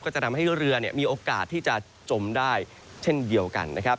จะทำให้เรือมีโอกาสที่จะจมได้เช่นเดียวกันนะครับ